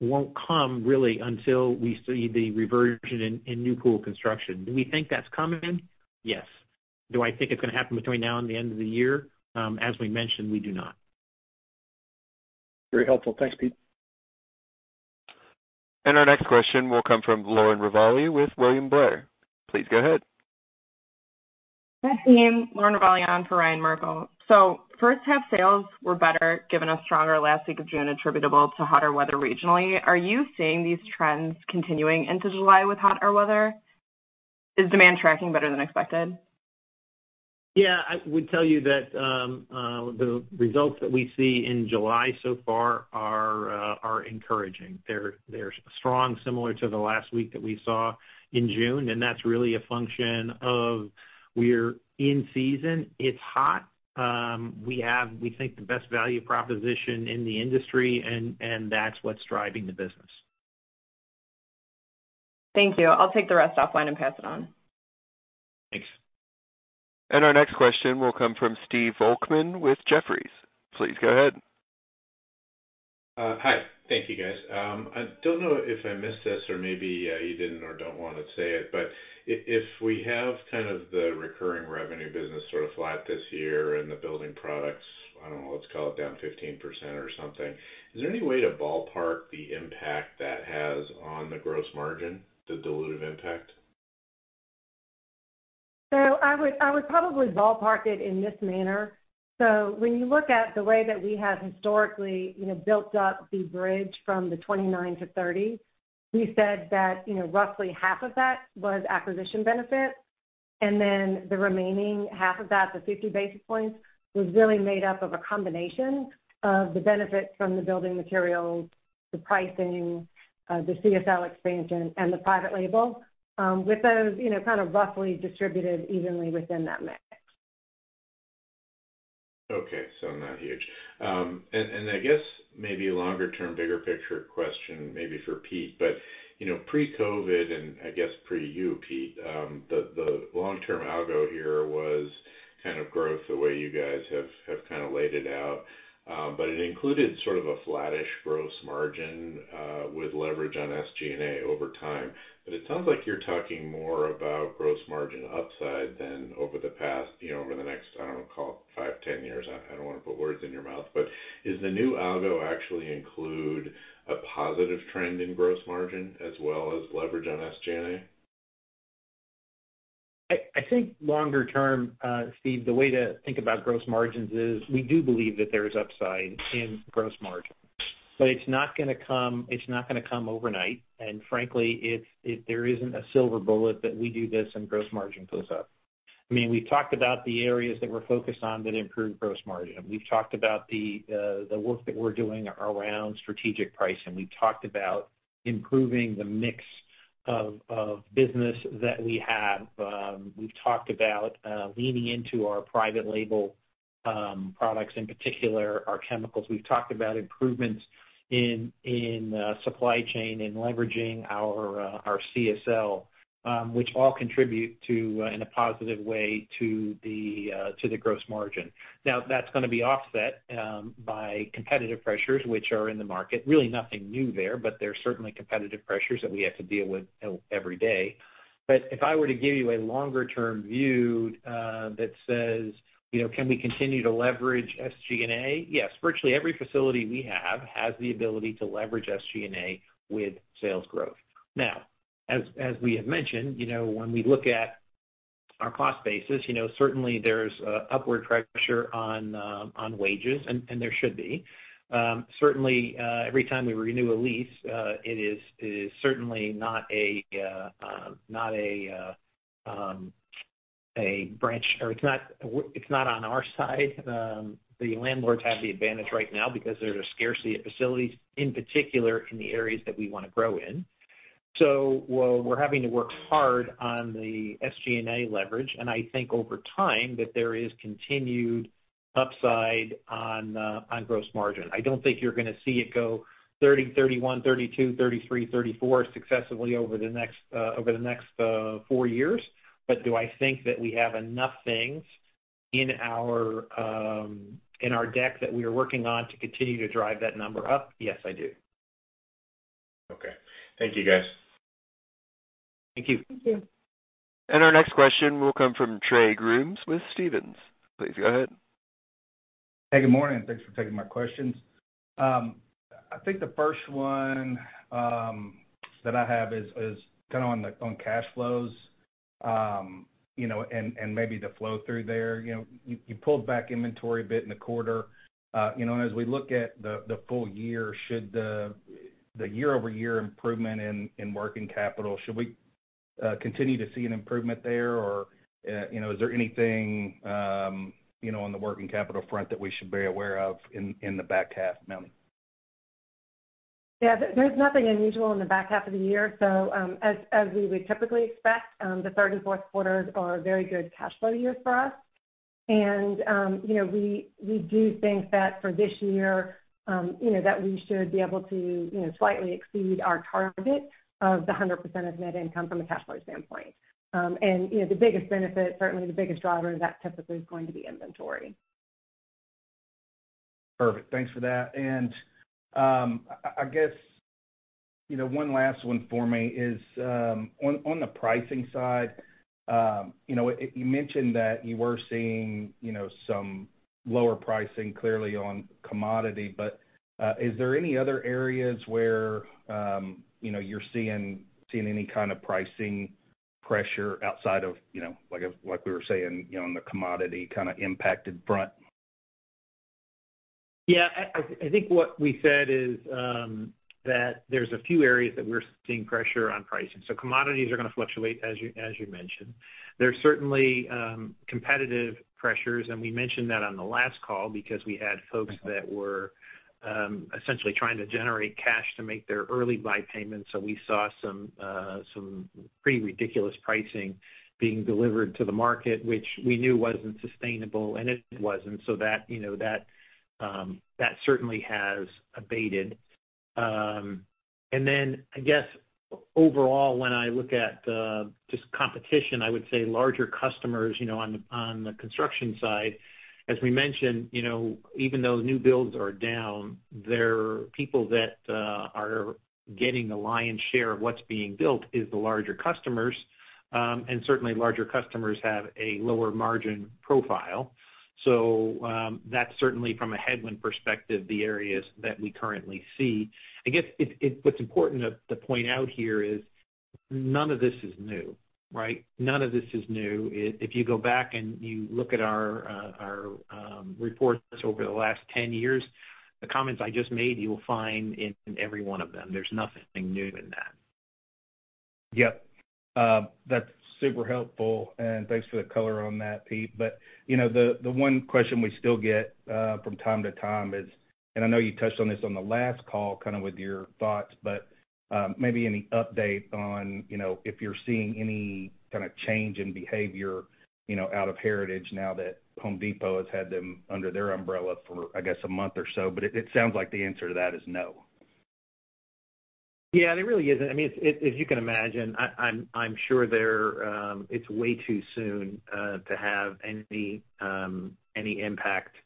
C: won't come really until we see the reversion in new pool construction. Do we think that's coming in? Yes. Do I think it's gonna happen between now and the end of the year? As we mentioned, we do not.
G: Very helpful. Thanks, Pete.
A: Our next question will come from Lauren Ravalli with William Blair. Please go ahead.
H: Hi, team, Lauren Ravalli on for Ryan Merkel. First half sales were better, given a stronger last week of June, attributable to hotter weather regionally. Are you seeing these trends continuing into July with hotter weather? Is demand tracking better than expected?
C: Yeah, I would tell you that, the results that we see in July so far are encouraging. They're strong, similar to the last week that we saw in June, and that's really a function of we're in season, it's hot, we have, we think, the best value proposition in the industry, and that's what's driving the business.
H: Thank you. I'll take the rest offline and pass it on.
C: Thanks.
A: Our next question will come from Steve Volkmann with Jefferies. Please go ahead.
I: Hi. Thank you, guys. I don't know if I missed this or maybe you didn't or don't wanna say it, but if we have kind of the recurring revenue business sort of flat this year and the building products, I don't know, let's call it down 15% or something, is there any way to ballpark the impact that has on the gross margin, the dilutive impact?
B: So I would probably ballpark it in this manner: So when you look at the way that we have historically, you know, built up the bridge from the 29-30, we said that, you know, roughly half of that was acquisition benefit, and then the remaining half of that, the 50 basis points, was really made up of a combination of the benefits from the building materials, the pricing, the CSL expansion, and the private label, with those, you know, kind of roughly distributed evenly within that mix. ...
I: Okay, so not huge. And I guess maybe longer term, bigger picture question, maybe for Pete. But, you know, pre-COVID, and I guess pre you, Pete, the long-term algo here was kind of growth the way you guys have kind of laid it out. But it included sort of a flattish gross margin with leverage on SG&A over time. But it sounds like you're talking more about gross margin upside than over the past, you know, over the next, I don't know, call it five, 10 years. I don't want to put words in your mouth, but does the new algo actually include a positive trend in gross margin as well as leverage on SG&A?
C: I think longer term, Steve, the way to think about gross margins is we do believe that there is upside in gross margin, but it's not gonna come, it's not gonna come overnight. And frankly, there isn't a silver bullet that we do this and gross margin goes up. I mean, we've talked about the areas that we're focused on that improve gross margin. We've talked about the work that we're doing around strategic pricing. We've talked about improving the mix of business that we have. We've talked about leaning into our private label products, in particular, our chemicals. We've talked about improvements in supply chain and leveraging our CSL, which all contribute to in a positive way to the gross margin. Now, that's gonna be offset by competitive pressures, which are in the market. Really nothing new there, but there are certainly competitive pressures that we have to deal with every day. But if I were to give you a longer-term view, that says, you know, can we continue to leverage SG&A? Yes, virtually every facility we have has the ability to leverage SG&A with sales growth. Now, as we have mentioned, you know, when we look at our cost basis, you know, certainly there's upward pressure on wages, and there should be. Certainly, every time we renew a lease, it is certainly not a bargain, or it's not on our side. The landlords have the advantage right now because there's a scarcity of facilities, in particular, in the areas that we wanna grow in. So while we're having to work hard on the SG&A leverage, and I think over time, that there is continued upside on gross margin. I don't think you're gonna see it go 30, 31, 32, 33, 34 successively over the next 4 years. But do I think that we have enough things in our deck that we are working on to continue to drive that number up? Yes, I do.
I: Okay. Thank you, guys.
C: Thank you.
B: Thank you.
A: Our next question will come from Trey Grooms with Stephens. Please go ahead.
J: Hey, good morning, and thanks for taking my questions. I think the first one that I have is kind of on cash flows, you know, and maybe the flow through there. You know, you pulled back inventory a bit in the quarter. You know, and as we look at the full year, should the year-over-year improvement in working capital, should we continue to see an improvement there, or you know, is there anything you know, on the working capital front that we should be aware of in the back half, Melanie?
B: Yeah, there, there's nothing unusual in the back half of the year. So, as we would typically expect, the third and fourth quarters are very good cash flow years for us. And, you know, we do think that for this year, you know, that we should be able to, you know, slightly exceed our target of 100% of net income from a cash flow standpoint. And, you know, the biggest benefit, certainly the biggest driver of that, typically is going to be inventory.
J: Perfect. Thanks for that. And, I guess, you know, one last one for me is, on the pricing side, you know, you mentioned that you were seeing, you know, some lower pricing clearly on commodity, but, is there any other areas where, you know, you're seeing any kind of pricing pressure outside of, you know, like, like we were saying, you know, in the commodity kind of impacted front?
C: Yeah, I think what we said is that there's a few areas that we're seeing pressure on pricing. So commodities are gonna fluctuate, as you mentioned. There's certainly competitive pressures, and we mentioned that on the last call because we had folks that were essentially trying to generate cash to make their early buy payments. So we saw some pretty ridiculous pricing being delivered to the market, which we knew wasn't sustainable, and it wasn't. So that, you know, that certainly has abated. And then I guess overall, when I look at just competition, I would say larger customers, you know, on the construction side, as we mentioned, you know, even though new builds are down, there are people that are getting the lion's share of what's being built is the larger customers, and certainly larger customers have a lower margin profile. So, that's certainly from a headwind perspective, the areas that we currently see. I guess what's important to point out here is none of this is new, right? None of this is new. If you go back and you look at our reports over the last 10 years, the comments I just made, you will find in every one of them. There's nothing new in that.
J: Yep. That's super helpful, and thanks for the color on that, Pete. But, you know, the, the one question we still get from time to time is, and I know you touched on this on the last call, kind of with your thoughts, but, maybe any update on, you know, if you're seeing any kind of change in behavior, you know, out of Heritage now that Home Depot has had them under their umbrella for, I guess, a month or so. But it, it sounds like the answer to that is no....
C: Yeah, there really isn't. I mean, it, as you can imagine, I'm sure there, it's way too soon to have any any impact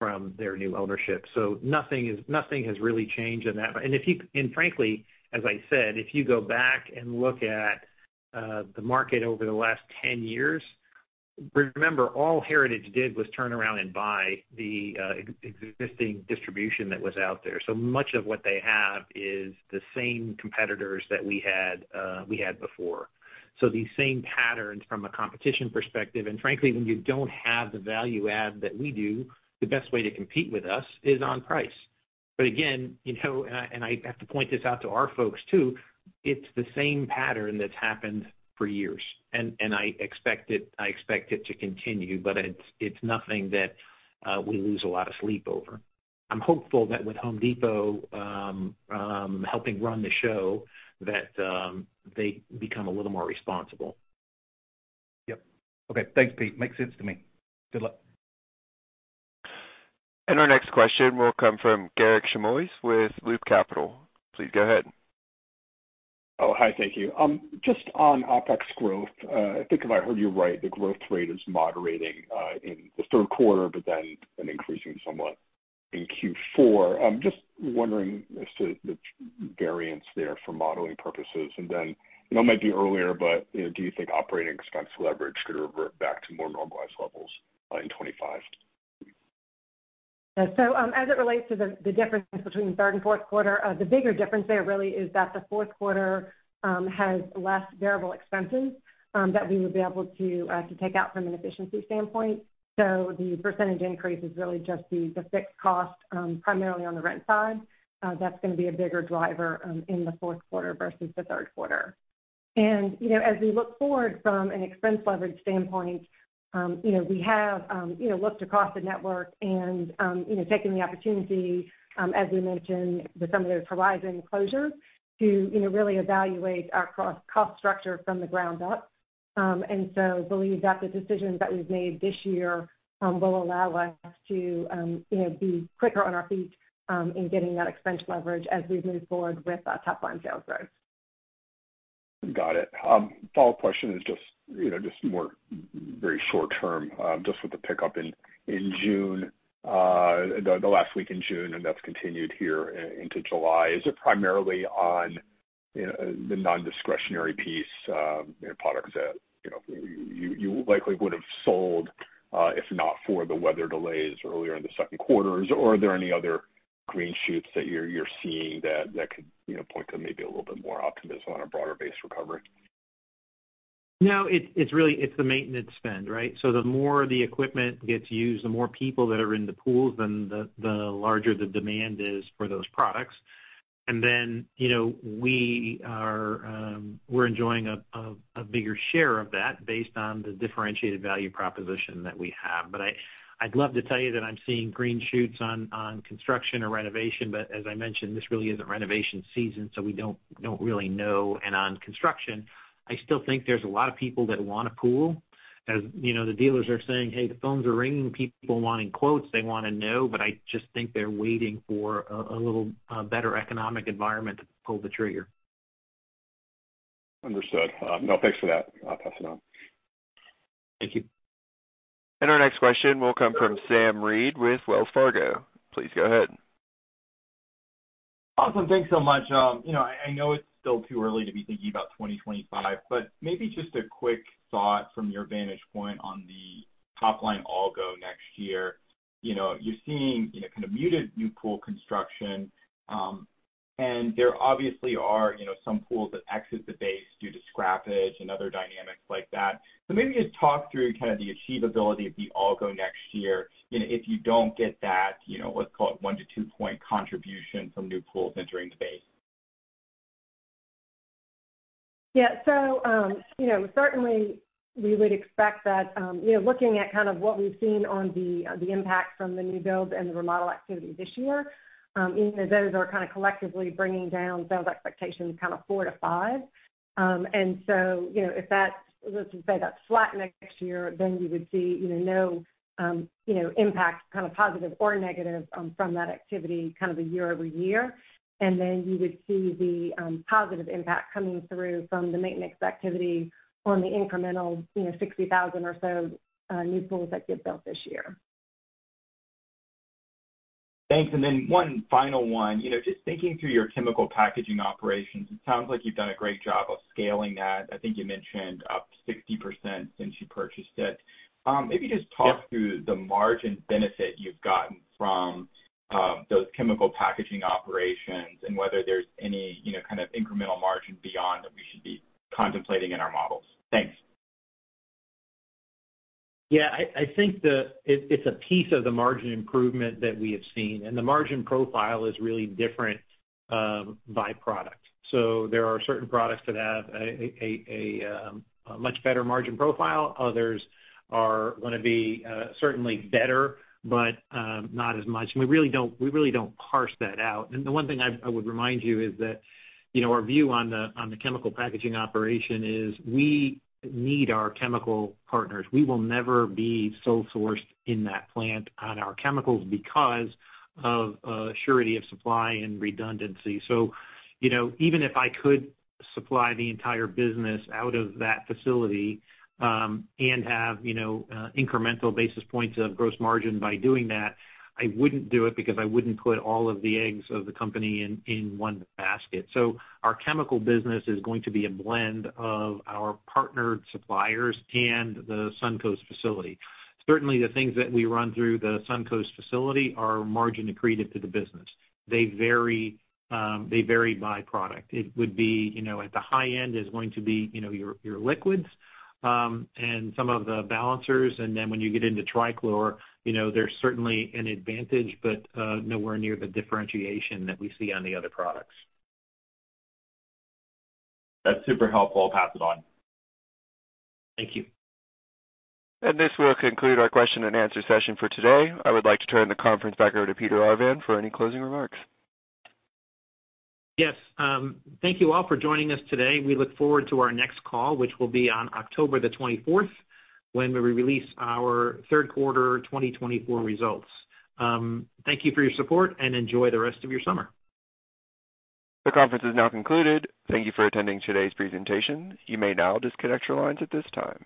C: from their new ownership. So nothing has really changed in that. And frankly, as I said, if you go back and look at the market over the last 10 years, remember, all Heritage did was turn around and buy the existing distribution that was out there. So much of what they have is the same competitors that we had before. So these same patterns from a competition perspective, and frankly, when you don't have the value add that we do, the best way to compete with us is on price. But again, you know, and I, and I have to point this out to our folks, too, it's the same pattern that's happened for years, and, and I expect it, I expect it to continue, but it's, it's nothing that we lose a lot of sleep over. I'm hopeful that with Home Depot helping run the show, that they become a little more responsible.
J: Yep. Okay, thanks, Pete. Makes sense to me. Good luck.
A: Our next question will come from Garik Shmois with Loop Capital. Please go ahead.
K: Oh, hi. Thank you. Just on OpEx growth, I think if I heard you right, the growth rate is moderating in the third quarter, but then increasing somewhat in Q4. I'm just wondering as to the variance there for modeling purposes. Then, you know, it might be earlier, but, you know, do you think operating expense leverage could revert back to more normalized levels in 2025?
B: So, as it relates to the difference between the third and fourth quarter, the bigger difference there really is that the fourth quarter has less variable expenses that we would be able to take out from an efficiency standpoint. So the percentage increase is really just the fixed cost, primarily on the rent side. That's gonna be a bigger driver in the fourth quarter versus the third quarter. And, you know, as we look forward from an expense leverage standpoint, you know, we have looked across the network and you know, taken the opportunity, as we mentioned, with some of the Horizon closure, to really evaluate our cost structure from the ground up. And so believe that the decisions that we've made this year will allow us to, you know, be quicker on our feet in getting that expense leverage as we move forward with our top line sales growth.
K: Got it. Follow-up question is just, you know, just more very short term, just with the pickup in June, the last week in June, and that's continued here into July. Is it primarily on the non-discretionary piece, you know, products that, you know, you likely would have sold, if not for the weather delays earlier in the second quarters? Or are there any other green shoots that you're seeing that could, you know, point to maybe a little bit more optimism on a broader base recovery?
C: No, it's, it's really, it's the maintenance spend, right? So the more the equipment gets used, the more people that are in the pools, then the larger the demand is for those products. And then, you know, we are, we're enjoying a bigger share of that based on the differentiated value proposition that we have. But I'd love to tell you that I'm seeing green shoots on construction or renovation, but as I mentioned, this really isn't renovation season, so we don't really know. And on construction, I still think there's a lot of people that want a pool. As you know, the dealers are saying: Hey, the phones are ringing, people wanting quotes. They wanna know, but I just think they're waiting for a little better economic environment to pull the trigger.
K: Understood. No, thanks for that. I'll pass it on.
C: Thank you.
A: Our next question will come from Sam Reid with Wells Fargo. Please go ahead.
L: Awesome. Thanks so much. I know it's still too early to be thinking about 2025, but maybe just a quick thought from your vantage point on the top line algo next year. You know, you're seeing, you know, kind of muted new pool construction, and there obviously are, you know, some pools that exit the base due to scrappage and other dynamics like that. So maybe just talk through kind of the achievability of the algo next year, you know, if you don't get that, you know, let's call it 1-2 point contribution from new pools entering the base.
B: Yeah. So, you know, certainly we would expect that, you know, looking at kind of what we've seen on the, the impact from the new builds and the remodel activity this year, even though those are kind of collectively bringing down sales expectations kind of 4-5. And so, you know, if that's, let's say that's flat next year, then you would see, you know, you know, impact, kind of positive or negative, from that activity, kind of a year-over-year. And then you would see the positive impact coming through from the maintenance activity on the incremental, you know, 60,000 or so new pools that get built this year.
L: Thanks. And then one final one. You know, just thinking through your chemical packaging operations, it sounds like you've done a great job of scaling that. I think you mentioned up 60% since you purchased it. Maybe just- Talk through the margin benefit you've gotten from those chemical packaging operations and whether there's any, you know, kind of incremental margin beyond that we should be contemplating in our models. Thanks.
C: Yeah, I think it's a piece of the margin improvement that we have seen, and the margin profile is really different by product. So there are certain products that have a much better margin profile. Others are gonna be certainly better, but not as much, and we really don't parse that out. And the one thing I would remind you is that, you know, our view on the chemical packaging operation is we need our chemical partners. We will never be sole sourced in that plant on our chemicals because of surety of supply and redundancy. So, you know, even if I could supply the entire business out of that facility, and have, you know, incremental basis points of gross margin by doing that, I wouldn't do it because I wouldn't put all of the eggs of the company in one basket. So our chemical business is going to be a blend of our partnered suppliers and the Suncoast facility. Certainly, the things that we run through the Suncoast facility are margin accretive to the business. They vary by product. It would be, you know, at the high end is going to be, you know, your liquids, and some of the balancers, and then when you get into trichlor, you know, there's certainly an advantage, but nowhere near the differentiation that we see on the other products.
L: That's super helpful. I'll pass it on.
C: Thank you.
A: This will conclude our question-and-answer session for today. I would like to turn the conference back over to Pete Arvan for any closing remarks.
C: Yes, thank you all for joining us today. We look forward to our next call, which will be on October 24, when we release our third quarter 2024 results. Thank you for your support, and enjoy the rest of your summer.
A: The conference is now concluded. Thank you for attending today's presentation. You may now disconnect your lines at this time.